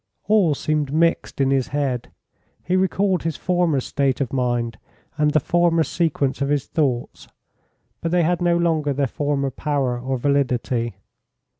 All seemed mixed in his head. He recalled his former state of mind, and the former sequence of his thoughts, but they had no longer their former power or validity.